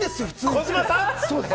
児嶋さん。